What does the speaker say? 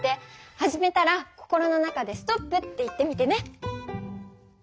始めたら心の中で「ストップ」って言ってみてね。